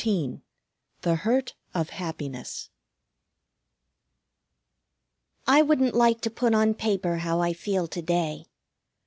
XIV THE HURT OF HAPPINESS I wouldn't like to put on paper how I feel to day.